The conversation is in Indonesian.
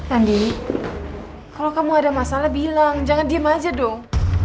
andi kalau kamu ada masalah bilang jangan diem aja dong